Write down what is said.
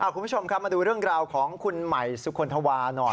คุณผู้ชมครับมาดูเรื่องราวของคุณใหม่สุคลธวาหน่อย